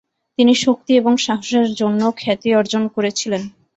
তিনি শক্তি এবং সাহসের জন্য খ্যাতি অর্জন করেছিলেন।